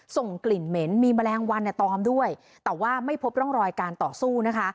ส่งกลิ่นเหม็นมีแมลงวันเนี่ยตอมด้วยแต่ว่าไม่พบร่องรอยการต่อสู้นะคะ